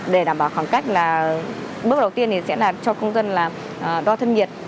để đảm bảo khoảng cách là bước đầu tiên sẽ là cho công dân đo thân nhiệt